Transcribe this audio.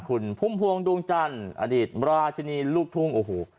คุณพุ่มพวงดวงจันทร์อดีตราชินีลูกทุ่งโอ้โห